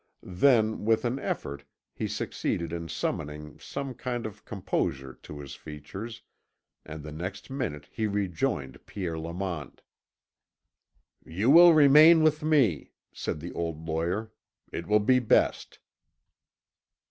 Then, with an effort, he succeeded in summoning some kind of composure to his features, and the next minute he rejoined Pierre Lamont. "You will remain with me," said the old lawyer; "it will be best."